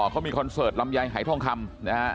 เขามีคอนเสิร์ตลำไยหายทองคำนะฮะ